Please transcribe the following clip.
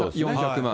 ４００万。